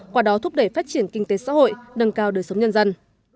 qua đó thúc đẩy phát triển kinh tế xã hội nâng cao đời sống nhân dân